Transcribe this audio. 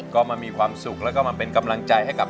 ก็มามีความสุขแล้วก็มาเป็นกำลังใจให้กับ